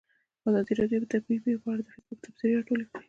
ازادي راډیو د طبیعي پېښې په اړه د فیسبوک تبصرې راټولې کړي.